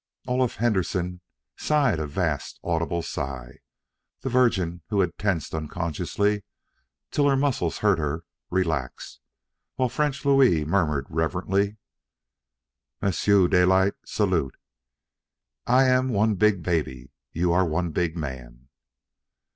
Olaf Henderson sighed a vast audible sigh. The Virgin, who had tensed unconsciously till her muscles hurt her, relaxed. While French Louis murmured reverently: "M'sieu Daylight, salut! Ay am one beeg baby. You are one beeg man."